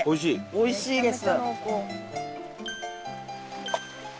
おいしいです。